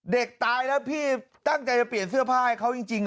เด็กตายแล้วพี่ตั้งใจจะเปลี่ยนเสื้อผ้าให้เขาจริง